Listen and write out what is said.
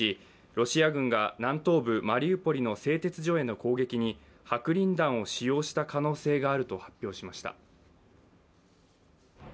ロシア軍が南東部マリウポリの製鉄所への攻撃に白リン弾を使用した可能性があると発表しました。